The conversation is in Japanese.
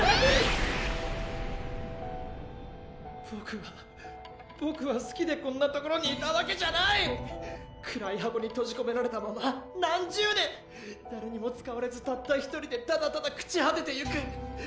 ボクはボクはすきでこんな所にいたわけじゃない！くらい箱にとじこめられたまま何十年誰にも使われずたった１人でただただくちはてていく